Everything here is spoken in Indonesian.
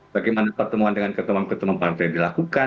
bagaimana pertemuan dengan ketemuan ketemuan partai dilakukan